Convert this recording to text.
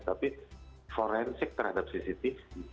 tapi forensik terhadap cctv